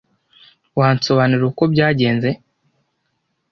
Wansobanurira uko byagenze?